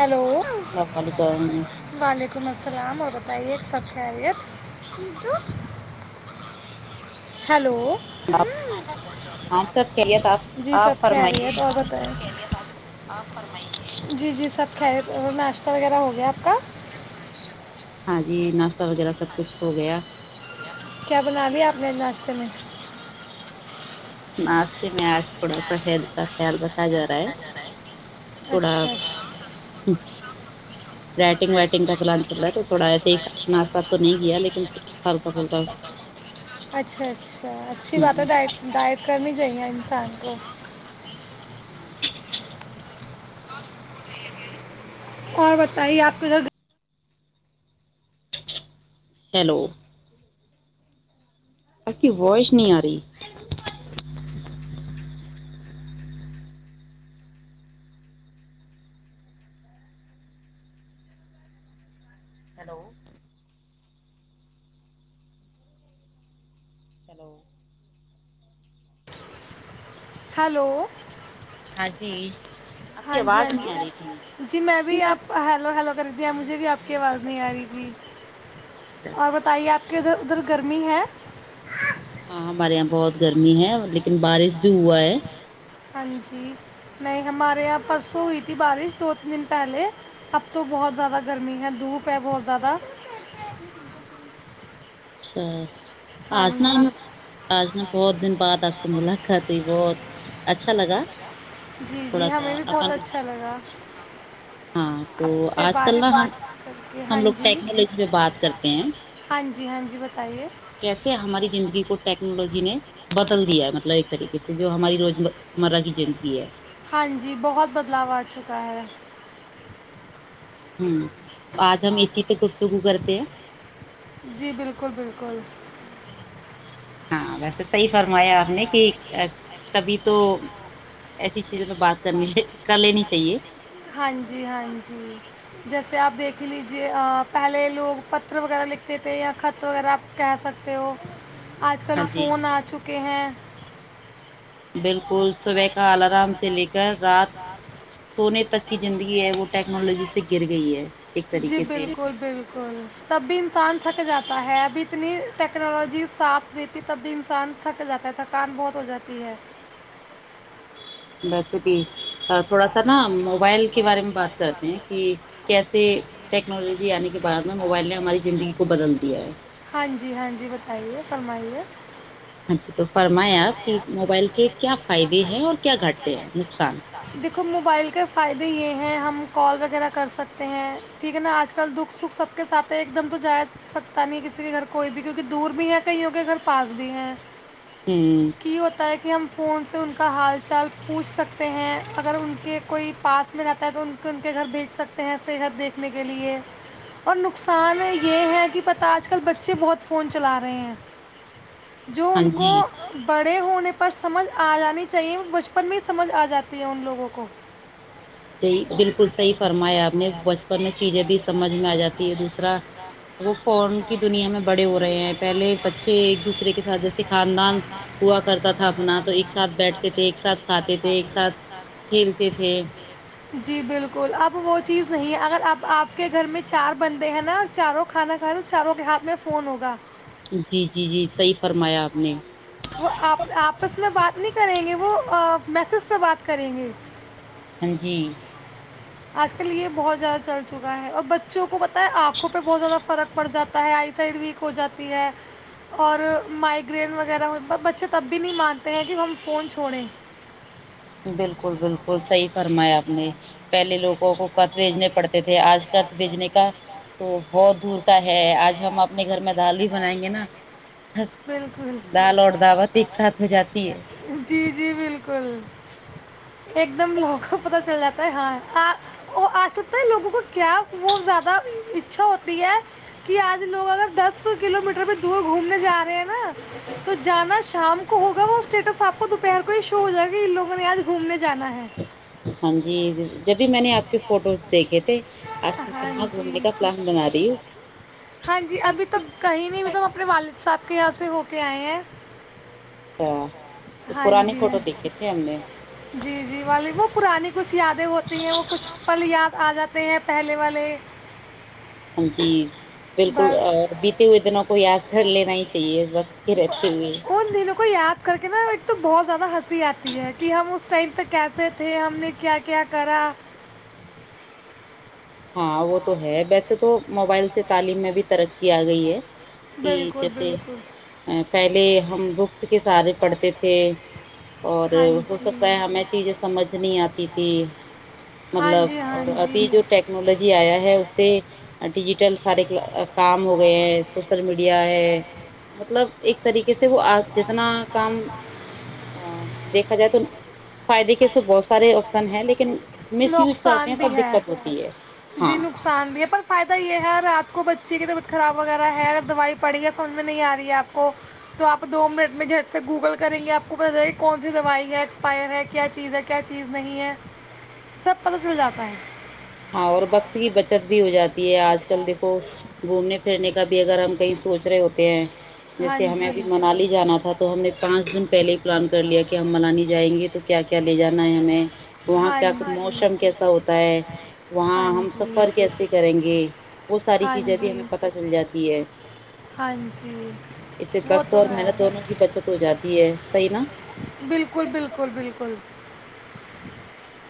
Hello السلام علیکم وعلیکم السلام و میں ایک سب خیریت ہیلو ہاں سب خریے آپ جی آپ سب فرمائیے ف جی جی سر [unintelligible] خیر ناشتہ وغیرہ ہو گیا آپ کا ہاں جی ناشتا وغیرہ سب کچھ ہو گیا کیا بنانی ہے آپنے ناشتے میں ناسی میں آس تھڑا سا ہےتا خیال رکھا جا رہا ہے تھوڑا اچھا رائٹنگ وائٹنگ کا پلان چل رہا ہے تو تھوڑا ایسے ہی ناشتہ تو نہیں کیا لیکن ہلکا پھلکا اچھا اچھا اچھی بات ہے ہوں، ڈ ڈائٹ کرنے کی جییا انسان کو [inaudible] اور بتائیے آپ ادھر ہیلو ت کی ووائش نہیں آ رہی ہیلو ہیلو ہلو ہاں جی آپ کی ہاں جی ہاں آواز جی نہیں آ رہی تھی جی میں بھی آپ ہیلو ہیلو کر د مجھے بھی آپ کی آواز نہیں آ رہی ہوں اچھا اور بتائیے آپ کے ادھر ادھر گرمی ہے ج ہاں ہمارے یہاں بہت گرمی ہے لیکن بارش بھی ہوا ہے ہاں جی نہیں ہمارے یہاں پرسوں ہوئی تھی بارش دو تین دن پہلے اب تو بہت زیادہ گرمی ہے دھوپ ہے بہت زیادہ اچھا ہاں آج ن جی آج ن بہت دن بعد آپ سے ملاقات ہوئی بہت اچھا لگا جی تھوڑا جی سا ہمیں بھی اپن بہت اچھا لگا ہاں تو آپ سے آج کل بات ن چیت کر کے ہم ہاں لوگ جی ٹیکنالوجی پ بات کرتے ہیں ہاں جی ہاں جی بتائیے کیسے ہماری زندگی کو ٹیکنالوجی نے بدل دیا ہے مطلب ایک طریقے سے جو ہماری روز مرا کی زندگی ہے ہاں جی بہت بدلاو آ چکا ہے ہوں آج ہم اسی پ گپتگو کرتے ہیں جی بالکل بالکل ہاں ویسے صحی تو ایسی چیزوں پہ بات کرنی کر لینی چاہیے ہاں جی ہاں جی جیسے آپ دیکھ دکھ لیجیے پہلے لوگ پتر وغیرہ لکھتے تھے یا خط وغیرہ آپ کہہ سکتے ہو آج کل ہاں جی فون آ چکا کہ بالکل صبح کا الارام سے لے کر رات سونے تک کی زندگی ہے وہ ٹیکنالوجی سے گر گئی ہے ایک جی طریقے سے بالکل بالکل تب بھی انسان تھک جاتا ہے ابھی اتنی ٹیکنالوجی ساتھ دیتی تب بھی انسان تھک جاتا ہے تھکان بہت ہو جاتی ہے ویسے کہ تھوڑا سا نا موبائل کے بارے میں بات کرتے ہیں کہ کیسے ٹیکنالوجی آنے کے بعد میں موبائل نے ہماری زندگی کو بدل دیا ہے ہاں جی ہاں جی بتائیے فرمائیے ہاں جی تو فرمائیں آپ کی موبائل کے کیا فائدے ہیں اور کیا گھاٹے ہیں نقصان تو موبائل کے فائدے یہ ہیں ہم کال وغیرہ کر سکتے ہیں ٹھیک ہے نا آج کل دکھ سکھ سب کے ساتھ ہے ایک دم تو جا سکتا نہیں کسی کے گھر کوئی بھی کیونکہ دور بھی ہیں کئیوں کے گھر پاس بھی ہیں ہوں کی ہوتا ہے کہ ہم فون سے ان کا حال چال پوچھ سکتے ہیں اگر ان کے کوئی پاس میں رہتا ہے تو ان کے ان کے گھر بھیج سکتے ہیں صحت دیکھنے کے لیے اور نقصان یہ ہے کہ پتہ آج کل بچے بہت فون چلا رہے ہیں جو ہاں ان کو جی بڑے ہونے پر سمجھ آ جانی چاہیے بچپن میں ہی سمجھ آ جاتی ہے ان لوگوں کو ی بالکل صحیح فرمایا آپ نے بچپن میں چیزیں بھی سمجھ میں آ جاتی ہے دوسرا وہ فون کی دنیا میں بڑے ہو رہے ہیں پہلے بچے ایک دوسرے کے ساتھ جیسے خاندان ہوا کرتا تھا اپنا تو ایک ساتھ بیٹھتے تھے ایک ساتھ کھاتے تھے ایک ساتھ کھیلتے تھے جی بالکل اب وہ چیز نہیں ہے اگر آپ آپ کے گھر میں چار بندے ہیں نا چاروں کھانا کھیںو چاروں کے ہاتھ میں فون ہوگا جی جی جی صحیح فرمایا آپ نے وہ آپ آپس میں بات نہیں کریں گے وہ میسج پہ بات کریں گے ہاں جی آج کل یہ بہت زیادہ چل چکا ہے اور بچوں کو پتہ ہے آنکھوں پہ بہت زیادہ فرق پڑ جاتا ہے آئی سائڈ ویک ہو جاتی ہے اور مائگرین وغیرہ بچے تب بھی نہیں مانتے ہیں کہ ہم فون چھوڑیں بالکل بالکل سحی فرما آپ نے پہے لووں کو کط بھیجنے پڑتے تھے آج بھیجنے کا تو بہت دور کا ہے آج ہم اپنے گھر میں دال بھی بنائیں گے نا بالکل دال اور دعوت ایک ساتھ ہو جاتی ہے جی جی بالکل ایک دم لوگوں کو پتہ چل جاتا ہے ہاں وہ آ سکتا ہے لوگوں کو کیا وہ زیادہ اچھا ہوتی ہے کہ آج لوگ اگر دس کلو میٹر پہ دور گھومنے جا رہے ہیں نا تو جانا شام کو ہوگا وہ اسٹیٹس آپ کو دوپہر کوشو ہو جائے گا ان لوگوں نے آج گھومنے جانا ہے ہاں جی جب بھی میں نے آپ کے فوٹوز دیکھے تھے آج کل ہاں کہاں جی گھومنے کا پلان بنا رہی ہو ہاں جی ابھی تو کہیں نہیں بھی تم اپنے والد صاحب کےیاسے ہو کے آئے ہیں اچھا تو ہاں پرانے جی ہے فوٹو دیکھے تھے ہم نے جی جی والی وہت پرانی کچھ یادیں ہوتی ہیں وہ کچھ پل یاد آ جاتی تے ہیں پہلے والے ہاں جی بالکل بس بیتے ہوئے دنوں کو یاد کر لینا ہی چاہیے اس وقت رتی ب- ان دنوں کو یاد کر کے نہا ایک تو بہت زیادہ ہ آتی ہے کہ ہم اس اسٹمت کیسے تھے ہم نے کیا کیا کرا ہاں وہ تو ہے ویسے تو موبائل سے تعلیم میں بھی ترقی آ گئی ہے کہ بالکل جیسے بالکل پہلے ہم بکس کے سارے پڑھتے تھے اور ہاں ہو جی سکتا ہے ہمیں چیزیں سمجھ نہیں آتی تھی ہاں مطلب جی ہاں اور جی ابھی جو ٹیکنالوجی آیا ہے اس سے ڈیجیٹل سارے کام ہو گئے ہیں سوشل میڈیا ہے مطلب ایک طریقے سے وہ جتنا کام دیکھا جائے تو فائدے کے بہت سارے آپشن ہیں لیکن مس یوز کرتے نقصان ہیں بھی تب ہے دقت ہوتی ہے جی ہاں نقصان بھی ہے پر فائدہ یہ ہے رات بچی کی طبیعت خراب وغیرہ ہے اگر دوائی پڑی ہے سج میں نہیں آ رہی ہے آپ کو تو آپ دو منٹ میں جھٹ سے گوگل کریں گے آپ کو پت چے گ کہ کون سی دوائی ہے ایکسپائر ہے کیا چیز ہے کیا چیز نہیں ہے سب پتہ چل جاتا ہے ہاں اور وقت کی بچت بھی ہو جاتی ہے آج کل دیکھو گھومنے پھرنے کا بھی اگر ہم کہیں سوچ رہے ہوتے ہیں ہاں جیسے ہمیں جی ابھی منالی جانا تھا تو ہم نے پانچ دن پہلے ہی پلان کر لیا کہ ہم منالی جائیں گے تو کیا کیا لے جانا ہے ہمیں وہاں ہاں کا جی موسم کیسا ہوتا ہے ہاں وہاں ہم جی سفر کیسے کریں گے ساری ہاں چیزیں بھی جی ہمیں پتہ چل جاتی ہے ہاں جی اس سے وہ وقت تو اور ہے محنت دونوں کی بچت ہو جاتی یہ صحیح نا بالکل بالکل بالکل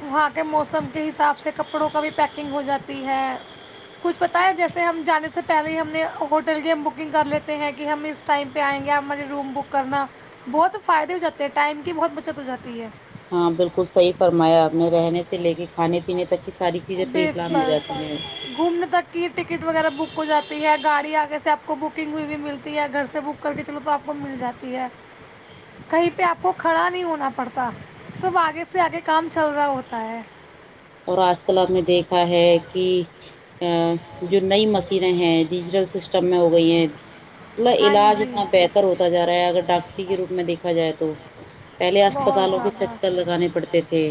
وہاں کے موسم کے حساب سے کپڑوں کا بھی پیکنگ ہو جاتی ہے کچھ پتا ہے جیسے ہم جانے سب سے پہلے ہی ہم نے ہوٹل کی ہم بکنگ کر لیتے ہیں کہ ہم ا اس ٹائم پہ آئیں گے ہمارے روم بک کرنا بہت فائدے ہو جاتے ہیں ٹائم کی بہت بچت ہو جاتی ہے ہاں بالکل صحیح فرمایا آپ نے رہنے سے لے کے کھانے پینے تک کسی بیس بس گھومنے تک کی ٹکٹ وغیرہ بک آپ کو جاتی ہے گاڑی آگے سے آپ کو بکنگ ہوئی ہوئی ملتی ہے گھر سے بک کر کے چلو تو آپ کو مل جاتی ہے کہیں پہ آپ کو کھڑا نہیں ہونا پڑتا سب آگے سے آگے کام چل رہا ہوتا ہے اور آج کل ہم نے دیکھا ہے کہ ا جو نئی مشینیں ہیں ڈیجیٹل سسٹم میں ہو گئی ہیں مط ہاں علاج جی اتنا بہتر ہوتا جا رہا ہے اگر ڈاکٹری کے روپ میں دیکھا جائے تو پہلے بہت اسپتالوں کے زیادہ چکر لگانے پڑتے تھے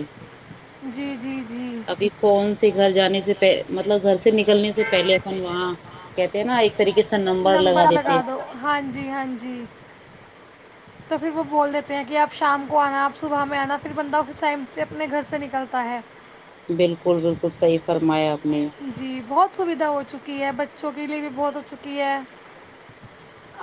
جی جی جی ابھی فون سے گھر جانے سے مطلب گھر سے نکلنے سے پہلے اپن وہاں کہتے ہیں نا ایک طریقے سےا نمبر لگا ر دیتے دو ہیں۔ ہاں جی ہاں جی تو پھر وہ بول دیتے ہیں کہ آپ شام کو آنا آپ صبح میں آنا پھر بندہ اس ٹائم سے اپنے گھر سے نکلتا ہے بالکل بالکل صحیح فرمایا نے جی بہت سویدھا ہو چکی ہے ب چوکیلی بھی بہت ہو چکی ہے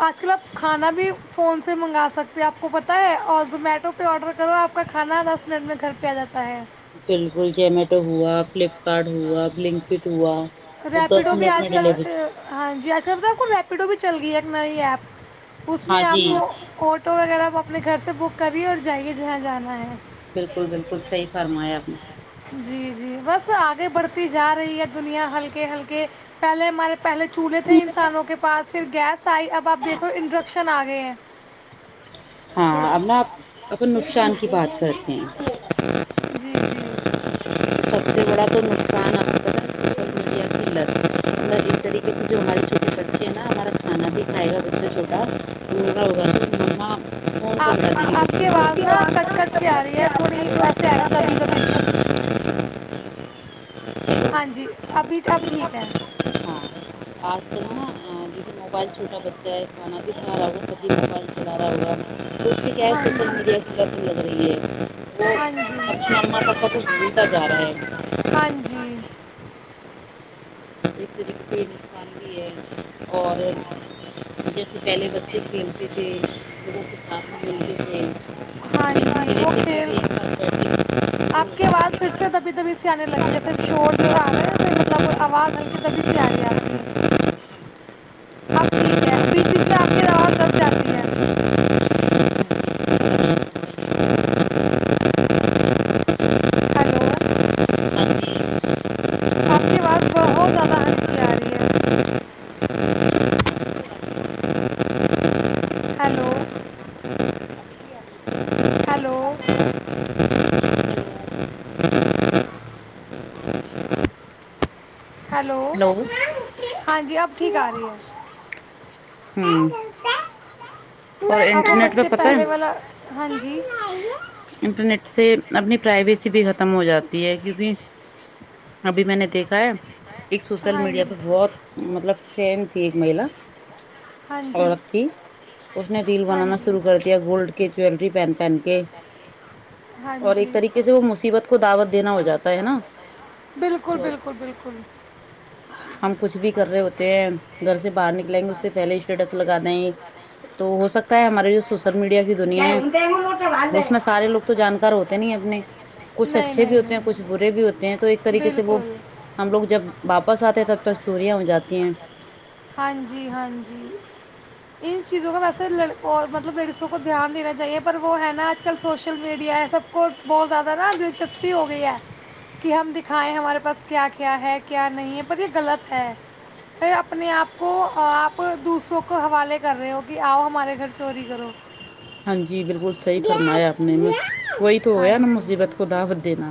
آج کل آپ کھانا بھی فون سے منگا سکتے آپ کو پتائے اور زومیٹو پہ آڈر کرو آپ کا کھانا دس منٹ میں گھر پہ آ جاتا ہے بالکل جومیٹو ہوا فلپکارٹ ہوا لنک فٹ ہوا وہ دس ریپیڈو بھی منٹ آج میں کل ڈلیوری ہاں جی آج کل ب کو ریپیڈو بھی چل گئی ہے مر آپ اس میں ہاں آپ جی کو آٹو وغیرہ بہت اپنے گھر سے بک کری ہے اور جائیے جہاں جانا ہے بالکل بالکل صحی فرمایاپنی جی جی بس آگے بڑھتی جا رہی ہے دنیا ہلکے ہلکے پہلے ہمارے پہلے چولہے تھے انسانوں کے پاس پھر گیس سائی اب آپ دیکھو انٹروڈکشن آ گئے ہیں ہاں اب نا آ اپن نقصان کی بات کرتے ہیں جی جی ہاں مطلب ایک طریقے سے جو ہمارے چھوٹے بچے ہیں نا ہمارا کھانا بھی کھائے گا بچہ چھوٹا بول رہا ہوگا کہ مما فون آپ پکڑا آپ کی آواز دیجیے نا کٹ کٹ کے آ رہی ہے تھوڑی بچے ویسے آ رہی دبی کو دبی سی ہیلو ہاں جی ابھی اب ٹھیک ہے ہاں آج کل نا آ، جیسے موبائل چھوٹا بچہ ہے کھانا بھی کھا ہوابھی موبائل چلا رہا ہوا تو اس کی کیا ہے ہاں سوشل جی میڈیا کی لی لگ رہی ہے وہ ہاں جی اپنے مما پاپا کو جھولتا جا رہا ہے ہاں جی ایک طریقے سے نقصان بھی ہے اور جیسے پہلے بچے کھیلتے تھے لوگوں کے ساتھ [inaudible] ہاں مل جی وہ ملے سکتے کھیل بھی ایک ساتھ بیٹھتے دور ہو آپ کی جاتے آواز تھے پھر سے دبی دبی سی آنے لگی ہے جیسے شور جو آ رہا ہے ویسے مطلب آواز ہلکی دبی سی آ رہی ہے آپ کی لیکن ہیلو اب ٹھیک ہے بیچ بیچ میں آپ کی آواز دب جاتی ہے ہاں جی، آپ کا کچھ بتائیے۔ ہیلو آپ کے اواز بہت زیادہ ہلکی آ رہی ہے hello hello hello hello hello ہاں جی اب ٹھیک آ رہی ہے اب وہ انٹرنیٹ پہ بچے پتہ ہے پہلے والا ہاں جی انٹرنیٹ سے اپنی پرائیویسی بھی ختم ہو جاتی ہے کیونکہ ابھی میں نے دیکھا ایک سوشل ہاں میڈیا جی پہ بہت مطلب فین تھی ایک مہیلا ہاں جی عورت تھی اس نے ریل ہاں بنانا جی شرو کر دیا گولڈ کے جیلری پہن پہن کے ہاں اور ایک جی طریقے سے وہ مصیبت کو دعوت دینا ہو جاتا ہے نا بالکل تو بالکل بالکل ہم کچھ بھی کر رہے ہوتے ہیں گھر سے باہر نکلیں گے اس سے پہلے اسٹیٹس لگا دیں گے تو ہو سکتا ہے ہمارے جو سوشل میڈیا کی دنیا ہے اس میں سارے لوگ جان کر ہوتے نہیں اپنے کچھ نہیں اچھے بھی نہیں ہوتے ہیں کچھ برے بھی ہوتے ہیں تو ایک نہیں طریقے سے وہ بالکل ہم لوگ جب واپس آتے ہیں تب تک چوریاں ہو جاتی ہیں ہاں جی ہاں جی ان چیزوں کو ویسے ل اور مطلب لڑیسوں کو دھیان دینا چاہیے پر وہ ہے نا آج کل سوشل میڈیا ہے سب کو بہت زیادہ نا دلچسپی ہو گئی ہے کہ ہم دکھائیں ہمارے پاس کیا کیا ہے کیا نہیں ہے پر یہ غلط ہے اپنے آپ کو آپ دوسروں کو حوالے کر رہے ہو کہ آؤ ہمارے گھر چوری کرو ہاں جی بالکل سی فرمایا آپ نے وہی تو ہو ہاں گیا نا جی مصیبت کو دعوت دینا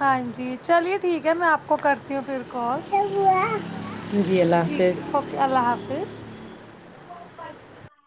ہاں جی چلیے ٹھیک ہے میں آپ کو کرتی ہوں پھر کال ٹھیک جی اللہ حافظ ہے اوکے اللہ حافظ [inaudible]